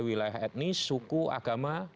wilayah etnis suku agama